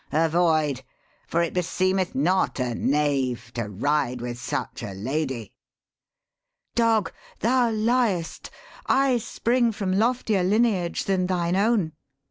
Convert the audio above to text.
Avoid: for it beseemeth not a knave To ride with such a lady.' 'Dog, thou liest. I spring from loftier lineage than thine own.'